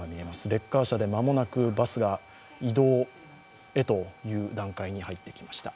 レッカー車で間もなくバスが移動へという段階に入ってきました。